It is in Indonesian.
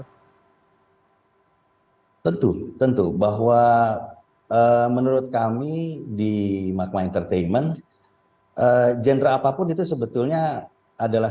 hai tentu tentu bahwa menurut kami di magma entertainment genre apapun itu sebetulnya adalah